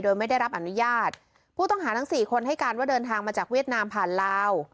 โดยไม่ได้รับอนุญาตผู้ต้องหาทั้งสี่คนให้การว่าเดินทางมาจากเวียดนามผ่านลาว